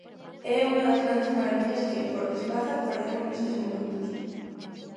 É unha das grandes marabillas que, por desgraza, perdemos nestes momentos.